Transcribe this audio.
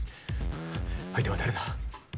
相手は誰だ？